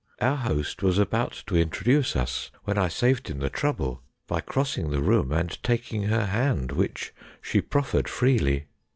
Our host was about to introduce us, when I saved him the trouble by crossing the room and taking her hand, which she proffered freely.